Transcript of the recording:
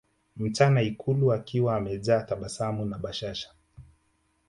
mchana ikulu akiwa amejaa tabasamu na bashasha